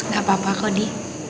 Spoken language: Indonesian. gak apa apa kodi